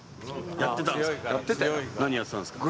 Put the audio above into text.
やってたんですか？